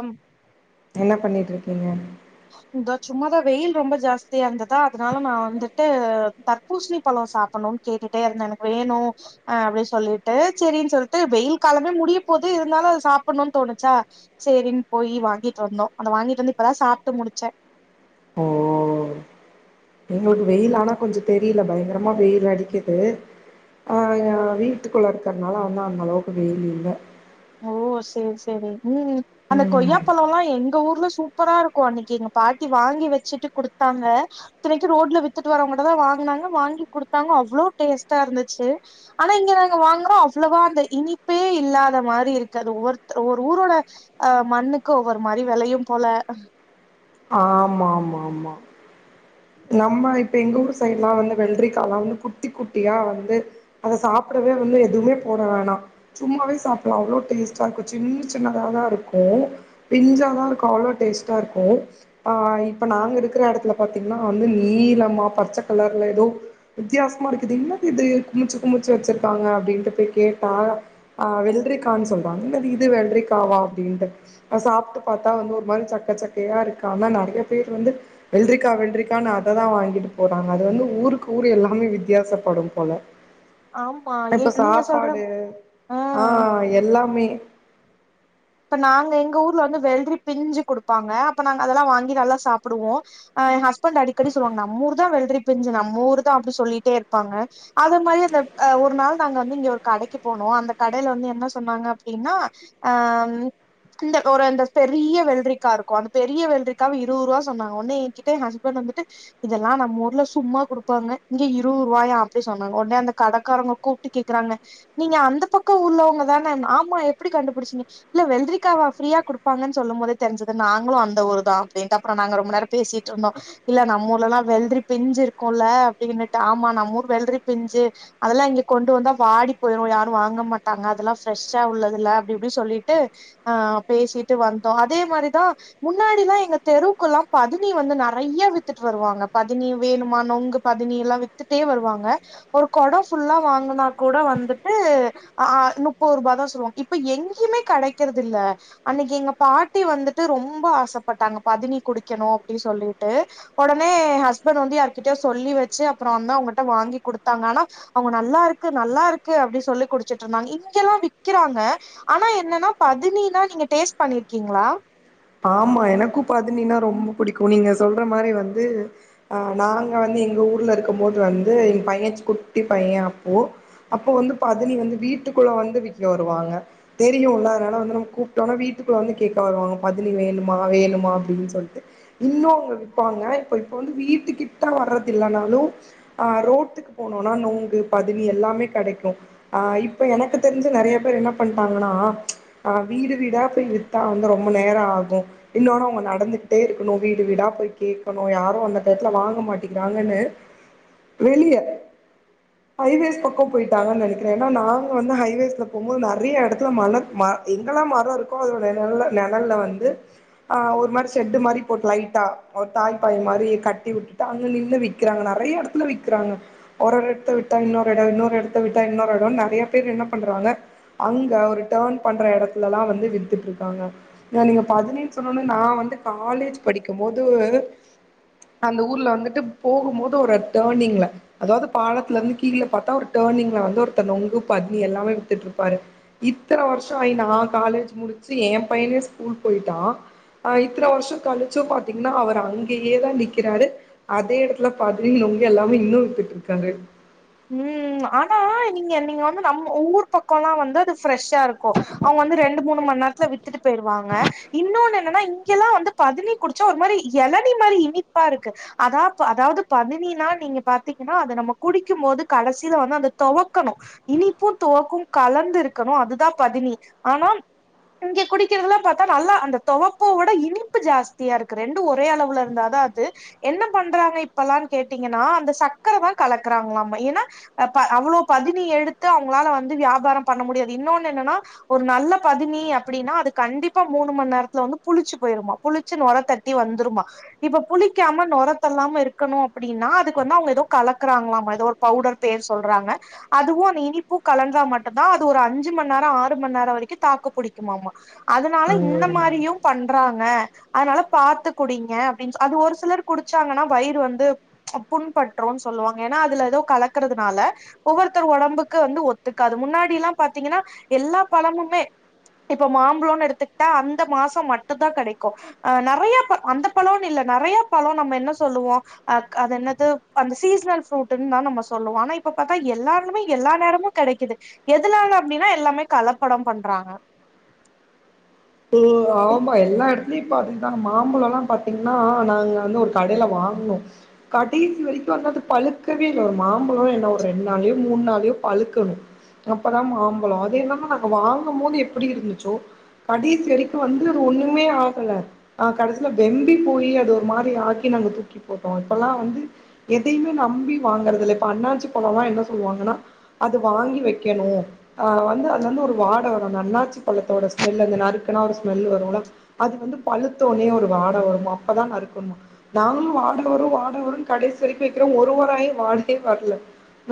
அம் என்ன பண்ணிட்டு இருக் டா [unintelligible] இதா சும்மாதா வெயில் ரொம்ப ஜாஸ்தியா இருந்ததா அதனால நா வந்துட்டு தர்பூசணி பழோ சாப்புடுனு கேட்டுட்டே இருந்தே எனக்கு வேணு அ அப்டினு சொல்லிட்டு சேரினு சொல்லிட்டு வெயில் காலமே முடிய போது இருந்தாலு அத சாப்புனு தோணுச்சா சேரினு போய் வாங்கிட்டு வந்தோ அத வாங்கிட்டு வந்து இப்பதா சாப்ப முடிச்சே எங்குளுக்கு வெயில் ஆனா கொஞ்ஜோ தெரியில பயங்கரமா வெயில் அடிக்குது ஆஹ் வீட்டுக்குள்ள இருக்கிறனால வந்து அந்த அளவுக்கு வெயில் இல்ல ஓ சேரி சேரி உம் அந்த கொய்யா ம் பழோலாம் எங்க ஊ [unintelligible] சூப்பரா இருக்கு அன்னிக்கி எங்க பாட்டி வாங்கி வச்சுட்டு குடுத்தாங்க அத்தனைக்கு ரோட்டுல வித்துட்டு வரவங்க கிட்ட தா வாங்குனாங்க வாங்கி குடுத்தாங்க அவ்லோ டேஸ்டா இருந்துச்சு ஆனா இங்க நாங்க வாங்குறோ அவ்ளவா அந்த இனிப்பே இல்லாத மாரி வந்து இருக்காது ஒவ்வொரு ஒரு ஊரோட அ மண்ணுக்கு ஒவ்வொரு மாரி விலையு போல ஆமா ஆமா ஆமா நம்ம இப்ப எங்க ஊர் சைடுலா வந்து வெள்ட்ரிக்கா லா வந்து குட்டி குட்டியா வந்து அத சாப்டவே வந்து எதுவுமே போட வேணா சும்மாவே சாப்டலா அவ்ளோ டேஸ்ட்டா இருக்கு சின்ன சின்னதா தா தா இருக்கு பிஞ்சாதா தா இருக்கு அவ்ளோ டேஸ்ட்டா இருக்கு ஆ இப்ப நாங்க இருக்குற எடத்துல பாத் திங்கனா வந்து நீளமா பச்சை கலர்ல ஏதோ வித்தியாசமா இருக்குது என்னது இது குமிச்சு குமிச்சு வச்சிருக்காங்க அப்படின்ட்டு போய் கேட்டா ஆஹ் வெல்ட்ரிகானு சொல்வாங்க என்ன இது வெல்ட்ரிகாவா அப்டின்ட்டு சாப்புட்டு பாத்தா வந்து ஒரு மாரி சக்க சக்கையா இருக்கு ஆனா நறைய பேர் வந்து வெல்ட்ரிகாவ இருக்கானு அத தா வாங்கிட்டு போறாங்க அது வந்து ஊருக்கு ஊரு எல்லாமே வித்தியாசப்படு போல ஆமா ஏ இப்ப நீங்க சொல்ற சாப்பாடு ஆ எல்லாமே இப்ப நாங்க எங்க ஊர்ல வந்து வெள்ட்ரி பிஞ்சு குடுப்பாங்க அப்ப நாங்க அதெல்லா வாங்கி நல்லா சாப்டுவோ அ எ ஹஸ்பண்ட் அடிக்கடி சொல்வாங்க நம்ம ஊர் தா வெள்ட்ரி பிஞ்சு நம்ம ஊரு தா அப்டி சொல்லிட்டே இருப்பாங்க அதே மாரி அந்த அ ஒரு நாள் நாங்க வந்து இங்க ஒரு கடைக்கு போனோ அந்த கடையில வந்து என்ன சொன்னாங்க அப்டின்னா அ இந்த ஒரு அந்த பெரிய வெல்ட்ரிக்கா இருக்கு அந்த பெரிய வெல்ட்ரிக்காவ இருவது ரூவா சொன்னாங்க உடனே என்கிட்ட எ ஹஸ்பண்ட் வந்துட்டு இதெல்லா நம்ம ஊர்ல சும்மா குடுப்பாங்க இங்க இருபது ரூவாயா அப்டினு சொன்னாங்க உடனே அந்த கடக்காரங்க கூப்ட்டு கேக்குறாங்க நீங்க அந்த பக்கோ ஊர்லவங்க தான ஆமா எப்டி கண்டுபிடிச்சுங்க இல்ல வெல்ட்ரிக்காவா ஃப்ரீயா கொடுப்பாங்கனு சொல்லு போதே தெரிஞ்சது தாங்களு அந்த ஊரு தா அப்டின்ட்டு அப்றோ நாங்க ரொம்ப நேரோ பேசிட்டு இருந்தோ இல்ல நம்ம ஊர்லெல்லா வெல்ட்ரி பிஞ்சு இருக்கும்ல அப்டினுட்டு ஆமா நம் ஊர் வெல்ட்ரி பிஞ்சு அதெல்லா இங்க கொண்டு வந்தா வாடி போயிடு யாரும் வாங்க மாட்டாங்க அதெல்லா ஃப்ரெஷ்ஷா உள்ளதுல அப்டிப்டினு சொல்லிட்டு ஆஹ் பேசிட்டு வந்தோ அதே மாரி தா முன்னாடிலா எங்க தெருவுக்குல்லா பதனி வந்து நறையா வித்துட்டு வருவாங்க பதனி வேணுமா நொங்கு பதனி எல்லா வித்துட்டே வருவாங்க ஒரு கொடோ ஃபுல்லா வாங்குனா கூட வந்துட்டு ஆ முப்பது ரூப தா சொல்வாங்க இப்ப எங்கேயுமே கெடைக்கிறதுல்ல அன்னிக்கு எங்க பாட்டி வந்துட்டு ரொம்போ ஆசப்பட்டாங்க பதனி குடிக்கணு அப்டி சொல்லிட்டு ஒடனே ஹஸ்பண்ட் வந்து யாருகிட்டயாது சொல்லி வச்சு அப்றோ வந்து அவங்ககிட்ட வாங்கி குடுத்தாங்க ஆனா அவுங்க நல்லா இருக்கு நல்லா இருக்கு அப்டி சொல்லி குடிச்சுட்ருந்தாங்க இங்கெல்லா விக்கிறாங்க ஆனா என்னனா பதினினா நீங்க டேஸ்ட் பண்ணிருக்கீங்களா ஆமா எனக்கு பதனினா ரொம்ப புடிக்கு நீங்க சொல்ற மாரி வந்து அ நாங்க வந்து எங்க ஊர்ல இருக்கும் போது வந்து என் பைய குட்டி பைய அப்போ அப்போ வந்து பதனி வந்து வீட்டுக்குள்ள வந்து விக்க வருவாங்க தெரியூல அதனால வந்து நம்ம கூப்ட்டோம்னா வீட்டுக்குள்ள வந்து கேட்க வருவங்க பதினி வேணுமா வேணுமா அப்டின்னு சொல்ட்டு இன்னும் அவங்க விப்பாங்க இப்ப இப்ப வந்து வீட்டு கிட்ட வர்றது இல்லனாலும் அஹ் ரோட்டுக்கு போனோனா நுங்கு பதினி எல்லாமே கெடைக்கு ஆஹ் இப்ப எனக்கு தெரிஞ்சு நெறைய பேர் என்ன பண்ட்டாங்கன்னா ச்சு அஹ் வீடு வீடா போய் வித்தா வந்து ரொம்ப ரொம்ப நேரோ ஆகும் இன்னொன்னு அவங்க நடந்துகிட்டே இருக்கணும் வீடு வீடா போய் கேக்கணு யாரும் அந்தத்துல வாங்க மாட்டிங்கரான்னு வெளிய ஹாய் வேஸ் பக்கம் போய்ட்டாங்கன்னு நெனைக்கறேன் ஏன்னா நாங்க வந்து ஹாய் வேஸ்ல போம்போது நெறைய எடத்துல மல ம எங்கெல்லா மரோ இருக்கோ அதோட நெழல்ல நெழல்ல வந்து அஹ் ஒரு மாரி ஷெட்டு மாரி போட்டு லைட்டா தாய் பாய் மாரி கட்டி விட்டுட்டா அங்க நின்னு விக்கறாங்க நெறைய எடத்துல விக்குறாங்க ஒரு ஒரு எடத்த விட்டா இன்னொரு எடோ இன்னொரு எடத்த விட்டா இன்னொரு எடோ நெறைய பேர் என்ன பண்றாங்க அங்க ஒரு டர்ன் பண்ற எடத்துலல்லா வந்து வித்துட்ருக்காங்க நீங்க பதனின்னு சொன்னொன்னே நா வந்து காலேஜ் படிக்கும் போது அந்த ஊர்ல வந்துட்டு போகும்போது ஒரு டர்னிங்ல அதாவது பாலத்துல இருந்து கீல பாத்தா ஒரு டர்னிங்ல வந்து ஒருத்தர் நுங்கு பதினி எல்லாமே வித்துட்டுருப்பாரு இத்தன வருஷம் ஆயி நான் காலேஜ் முடிச்சு ஏன் பையனே ஸ்கூல் போயிட்டான் ஆஹ் இத்தன வருஷம் கழிச்சும் பாத்தீங்கன்னா அவர் அங்கயே தான் நிக்கிறாரு அதே எடத்துல பதினி நுங்கு எல்லாமே இன்னும் வித்துட்ருக்காரு உம் ஆனா நீங்க நீங்க வந்து நம்ம உங்க ஊர் பக்கம்லா வந்து அது ஃப்ரெஷ்ஷா இருக் க்கு அவங்க வந்து ரெண்டு மூணு மணி நேரத்துல வித்துட்டு போயிருவாங்க இன்னொன்னு இல்லனா இங்கெல்லா வந்து பதினி குடிச்சா ஒரு மாறி எலநீ மாறி இனிப்பா இருக்கு அதா அதாவது பதினினா நீங்க பாத்தீங்கன்னா அத நம்ம குடிக் க்கும் போது கடைசில வந்து அந்த தொவக்கணும் இனிப்பும் துவக்கும் கலந்து இருக்கணும் அதுதான் பதினி ஆனா இங்க குடிக்கிறதுல்லா பாத்தா நல்லா அந்த துவப்பவோட இனிப்பு ஜாஸ்தியா இருக்கு ரெண்டு ஒரே அளவுல இருந்தாதான் அது என்ன பண்றாங்க இப்பல்லா கேட்டீங்கன்னா அந்த சக்கர தான் கலக் க்கறாங்கலாமா ஏன்னா அப்ப அவ்ளோ பதினி எடுத்து அவங்களால வந்து வியாபாரம் பண்ண முடியாது இன்னொன்னு என்னன்னா ஒரு நல்ல பதினி அப்படின்னா அது கண்டிப்பா மூணு மணி நேரத்துல வந்து புளிச்சு போயிருமா புளிச்சு நொரத்தட்டி வந்துருமா இப்ப புளிக்காம நொரத்தல்லாம இருக்கணும் அப்படின்னா அதுக்கு வந்து அவங்க ஏதோ கலக் க்குறாங்களாமா ஏதோ ஒரு பவுடர் பேர் சொல்றாங்க அதுவும் அந்த இனிப்பும் கலந்தா மட்டுந்தான் அது ஒரு அஞ்சு மணி நேரம் ஆறு மணி நேரம் வரைக்கும் தாக்கு புடிக்குமாமா அதனால இந்த ம் மாரியும் பண் க்கறாங்க அதனால பாத்து குடிங்க அப்டின்னு ஸ் அது ஒரு சிலர் குடிச்சாங்கன்னா வயிறு வந்து புண்பட்ரும் ஸ் சொல்லுவாங்க ஏன்னா அதுல ஏதோ கலக்கறதுனால ஒவ்வொருத்தர் ஒடம்புக்கு வந்து ஒத்துக்காது முன்னாடில்லாம் பாத்தீங்கன்னா எல்லா பழமுமே இப்ப மாம்பழன்னு எடுத்துக்கிட்டா அந்த மாசோம் மட்டுந்தா கெடைக்கும் அ நறைய ப அந்த பழேன்னு இல்ல நறைய பழே நம்ம என்ன சொல்லுவோம் அ அது என்னது அந்த ஸ் சீசனல் ஃப்ரூட்டுன்னு தா நம்போ சொல்லுவோம் ஆனா இப்ப பாத்தா எல்லாலுமே எல்லா நேரமும் கெடைக்குது, எதுனால அப்டின்னா எல்லாமே கலப்படம் பண்றாங்க. உம் ஆமா எல்லா எடத் அப்டே பாத்தீங்கன்னா மாம்பழல்லா பாத்தீங்கன்னா நாங்க வந்து ஒரு கடைல வாங்ணோம், கடைசி வரிக்கும் அது அது பழுக்கவே இல்ல ஒரு மாம்பழே என்ன ஒரு ரெண்டு நாள்லயோ மூண் நாள்லயோ பழக்கணும், அப்பதான் மாம்பழம், அது என்னம்மோ நாங்க வாங்கும் போது எப்புடி இருந்துச்சோ கடைசி வரைக்கும் வந்து அது ஒண்ணுமே ஆகல, ஆ கடைசில வெம்பி போயி அது ஒரு மாரி ஆக்கி நாங்க தூக்கி போட்டோம் இப்பல்லா வந்து எதையுமே நம்பி வாங்கறதில்ல இப்ப அண்ணாச்சி பழேல்லா என்ன சொல்லுவாங்கன்னா அது வாங்கி வைக்கணும் ஆ வந்து அதுல வந்து ஒரு வாட வரும் அந்த அண்ணாச்சி பழத்தோட ஸ் ஸ்மெல் அந்த நருக்குனா ஒரு ஸ்மெல் வரும்ல அது வந்து பழுத்த ஒன்னே ஒரு வாட வருமாம் அப்பதா நறுக்கணுமா நாங்களும் வாட வரும் வாட வரும் கடைசி வரைக்கும் வைக்கிறோம் ஒரு வாரோ ஆயு வாடயே வரல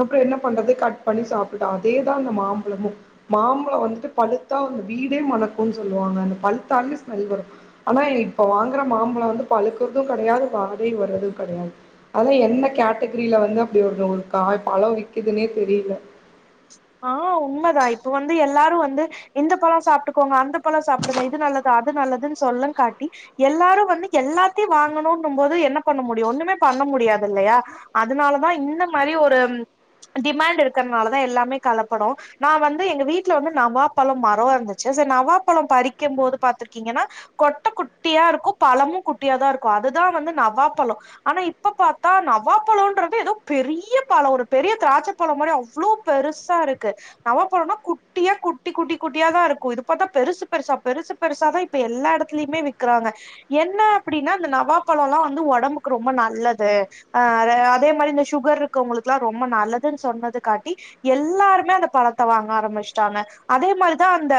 அப்றோ என்ன பண்றது கட் பண்ணி சாப்டுட்டோம் அதேதான் அந்த மாம்பழமும் மாம்பழம் வந்துட்டு பழுத்தா அந்த வீ டே மணக்குன்னு சொல்லுவாங்க அந்த பழத்தாலே ஸ்மெல் வரும் ஆனா இப்ப வாங்குற மாம்பழம் வந்து பழுக்கறதும் கடையாது வாடையு வர்றது கடையாது, ஆனா என்ன கேட்டகிரில வந்து அப்டி ஒரு ஒரு காய் பழோ விக்கிதுன்னே தெரில ஆ உண்மதா இப்ப வந்து எல்லாரும் வந்து இந்த பழம் சாப்டுக்கோங்க அந்த பழம் சாப்டுங்க இது நல்லது அது நல்லதுன்னு சொல்லும் காட்டி எல்லாரும் வந்து எல்லாத்தையும் வாங்கணுன்னும் போது என்ன பண்ண முடியும் ஒண்ணுமே பண்ண முடியாது இல்லையா அதனாலதான் இந்த மாரி ஒரு டிமாண்ட் இருக்கறதுனால தா எல்லாமே கலப்படோ, நா வந்து எங்க வீட்ல வந்து நவாப் பழோ மரோ இருந்துச்சு சரி நவாப் பழோம் பறிக்கும் போது பாத்துருக்கீங்கன்னா கொட்ட குட்டியா இருக்கும் பழமும் குட்டியா தான் இருக்கும் அதுதான் வந்து நவாப் பழம் ஆனா இப்ப பாத்தா நவாப் பழோன்றது ஏதோ பெரிய பழம் ஒரு பெரிய திராட்ச பழம் மாரி அவ்ளோ பெருசா இருக்கு நவாப்பழன்னா குட்டியா குட்டி குட்டி குட்டியாதான் இருக்கும் இது பாத்தா பெருசு பெருசா பெருசு பெருசாதான் இப்ப எல்லா எடத்துலயுமே விக்குறாங்க, என்ன அப்புடின்னா அந்த நவாப்பழல்லாம் வந்து ஒடம்புக்கு ரொம்ப நல்லது அ அத அதே மாரி இந்த ஷுகர்ருக்கவங்களுக்குல்லா ரொம்ப நல்லதுன்னு சொன்னது காட்டி எல்லாருமே அந்த பழத்த வாங்க ஆரம்பிஷ்ட்டாங்க அதே மாரிதான் அந்த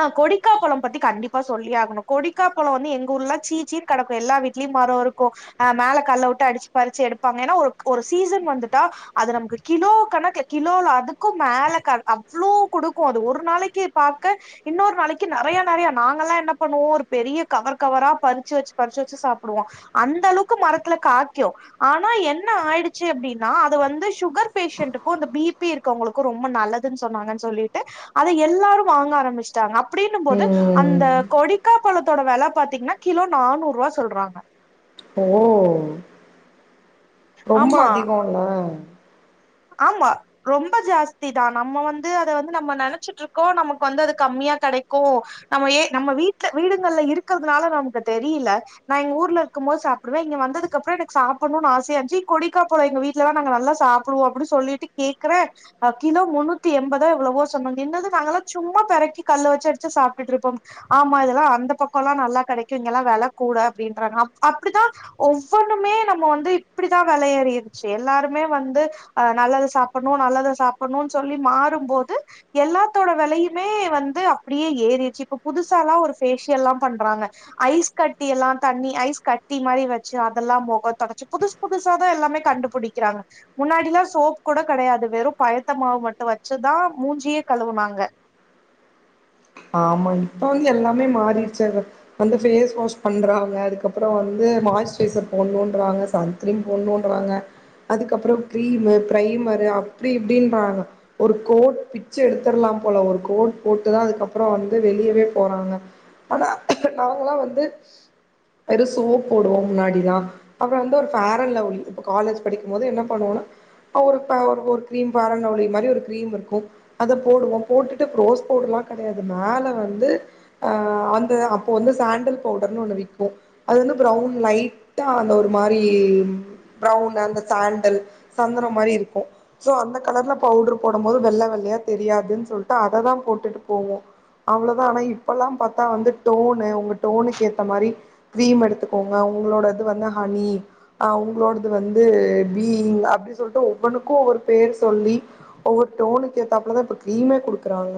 அ கொடிக்கா பழம் பத்தி கண்டிப்பா சொல்லியே ஆகணும் கொடிக்கா பழம் வந்து எங்க ஊர்லாம் சீச்சீன்னு கடக்கும் எல்லா வீட்லயும் மரோ இருக்கும், ஆ மேல கல்ல உட்டு அடிச்சு பறிச்சு எடுப்பாங்க ஏன்னா ஒரு ஒரு சீசன் வந்துட்டா அது நமக்கு கிலோ கணக்குல கிலோல அதுக்கும் மேல க அவ்ளோ குடுக்கும் அது ஒரு நாளைக்கு பாக்க இன்னொரு நாளைக்கு நறைய நறையா நாங்கல்லாம் என்ன பண்ணுவோம் ஒரு பெரிய கவர் கவரா பறிச்சு வச்சு பறிச்சு வச்சு சாப்டுவோம் அந்த அளவுக்கு மரத்துல காய்கும் ஆனா என்ன ஆயிடுச்சு அப்டின்னா அது வந்து ஷுகர் பேஷண்ட்டு க்கூ இந்த பிபி இருக்கவங்களுக்கு ரொம்ப நல்லதுன்னு சொன்னாங்கன்னு சொல்லிட்டு அத எல்லாரும் வாங்க ஆரம்பிஷ்ட்டாங்க அப் ப்பிடின்னும் போது அந்த ம் கொடி முக்காப்பழத்தோட வெல பாத்தீங்கன்னா கிலோ நானூரூவா சொல்றாங்க. ஓ ரொம்ப ஆமா அதிகோல்ல ஆமா ரொம்ப ஜாஸ்தி தான் நம்ம வந்து அத வந்து நம்ம நெனச்சிட்ருக்கோம் நமக்கு வந்து அது கம்மியா கடைக்கும் நம்ம ஏ நம்ம வீட்ல வீடுகள்ல இருக்கறதுனால நமக்கு தெரில நான் எங்க ஊர்ல இருக்கும் போது சாப்டுவேன் இங்க வந்ததுக்கு அப்றோ எனக்கு சாப்புட்ணன்னு ஆசையாந்துச்சு கொடிக்கா பழம் எங்க வீட்டுலல்லாம் நாங்க நல்லா சாப் க்ரூ அப்டி சொல்லிட்டு கேக்குறேன் அ கிலோ முன்னூத்தி எம்பதா எவ்ளவோ சொன்னாங்க என்னது நாங்கல்லாம் சும்மா பெறக்கி கல்லு வச்சு அடிச்சு சாப்டுட்ருப்போம் ஆமா இதெல்லாம் அந்த பக்கோல்லாம் நல்லா கடைக்கும் இங்கல்லாம் வெல கூட அப்டின்றாங்க அப் அப்டிதான் ஒவ்வொன்னுமே நம்ம வந்து இப்டிதான் வெல ஏறிற்ச்சு எல்லாருமே வந்து அ நல்லது சாப்பட்ணும் நல்லத சாப்பட்ணன்னு சொல்லி மாறும்போது எல்லாத்தோட வெலையுமே வந்து அப்டியே ஏறிடுச்சு இப்போ புதுசால்லாம் ஒரு ஃபேஷியல்லாம் பண்றாங்க ஐஸ் கட்டி எல்லாம் தண்ணி ஐஸ் கட்டி மாரி வச்சு அதெல்லாம் மொகந் தொடச்சி புதுசு புதுசா தான் எல்லாமே கண்டுபுடிக்கிறாங்க முன்னாட் கிலோ சோப் கூட கடையாது வெறும் பயத்த மாவு மட்டும் வச்சுதான் மூஞ்சியே கழுவுனாங்க ஆமாங் இப்ப எல்லாமே மாறிடுச்சாங்க, அந்த ஃபேஸ் வாஷ் பண்றாங்க அதுக்கப்றோ வந்து மாய்ஸ்சுரைசர் போட்னுன்றாங்க சன்க்ரீம் போட்ணுன்றாங்க, அதுக்கப்றோ கிரீமு பிரைமரு அப்டி இப்டின்றாங்க ஒரு கோட் பிச்சு எடுத்தர்லாம் போல ஒரு கோட் போட்டுதான் அதுக்கப் அப்புறோம் வந்து வெளியவே போறாங்க, ஆனா அவங்களா வந்து வெறு சோப் போடுவோம் முன்னாடிலா அப்றோ வந்து ஒரு ஃபேரன் லவ்லி இப்ப காலேஜ் படிக்கும் போது என்ன பண்ணுவோன்னா அ ஒரு ப ஒரு கிரீம் ஃபேரன் லவ்லி மாரி ஒரு கிரீம் இருக்கும் அத போடுவோம் போட்டுட்டு ரோஸ் பவுடர்லா கெடையாது மேல வந்து அ அந்த அப்போ வந்து சாண்டல் பவுடர்னு ஒண்ணு விக்கும் அது வந்து பிரவுன் லைட்டா அந்த ஒரு மாரி பிரவுன் அந்த சாண்டல் சந்தனம் மாரி இருக்கும் சோ அந்த கலர்ல பவுடர் போடும் போது வெள்ள வெள்ளையா தெரியாதுன்னு சொல்ட்டு அததா போட்டுட்டு போவோம் அவ்ளோதான் ஆனா இப்பல்லாம் பாத்தா வந்து டோனு உங்க டோனுக்கு ஏத்த மாரி கீரீம் எடுத்துக்கோங்க உங்களோடது இது வந்து ஹனி ஆ உங்களோடது வந்து பீ அப்டி சொல்ட்டு ஒவ்வொன்னுக்கு ஒவ்வொரு பேர் சொல்லி ஒவ்வொரு டோனுக்கு ஏத்தாப்பலதான் இப்ப கிரீமே குடுக்குறாங்க.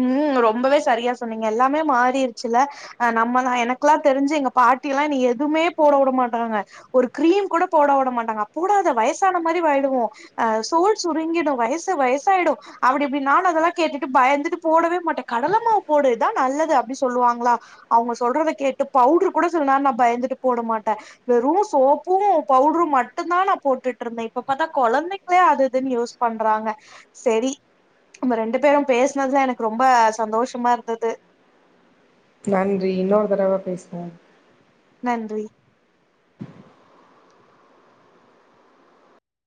உம் ரொம்பவே சரியா சொன்னீங்க எல்லாமே மாறிருச்சுல அ நம்மல்லா எனக்குல்லா தெரிஞ்சு எங்க பாட்டி எல்லாம் நீ எதுமே போட உட மாட்டாங்க ஒரு கிரீம் கூட போட உட மாட்டாங்க அப்ப கூட அத வயசான மாரி வாயிடுவோம் அ சோல் சுருங்கிடும் வயசு வயசாயிடும் அப்படி இப்புடின் நானும் அதெல்லாம் கேட்டுட்டு பயந்துட்டு போடவே மாட்டேன் கடல மாவு போடு இதான் நல்லது அப்டி சொல்லுவாங்களா அவங்க சொல்றத கேட்டு பவுட்ரு கூட சில நேரம் நான் பயந்துட்டு போட மாட்டேன் வெறும் சோப்பும் பவுடரும் மட்டுந்தான் நான் போட்டுட்டுருந்தேன் இப்ப பாத்தா கொலந்தைங்களே அது இதுன்னு யூஸ் பண்றாங்க சேரி நம்ம ரெண்டு பேரும் பேசனதுலா எனக் ரொம்ப சந்தோஷமா இருந்துது. நன்றி இன்னொரு தடவ பேசுவோ. நன்றி.